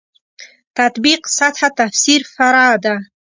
تطبیق سطح تفسیر فرع ده.